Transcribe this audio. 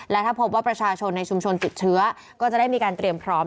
และถ้าพบว่าประชาชนในชุมชนติดเชื้อก็จะได้มีการเตรียมพร้อม